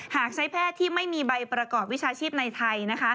หากใช้แพทย์ที่ไม่มีใบประกอบวิชาชีพในไทย